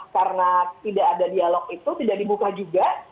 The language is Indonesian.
karena tidak ada dialog itu tidak dibuka juga